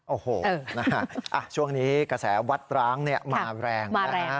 โอ้โหช่วงนี้กระแสวัดร้างมาแรงนะฮะ